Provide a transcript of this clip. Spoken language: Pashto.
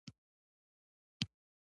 نړۍ د ذهن د حرکت هندسه ده.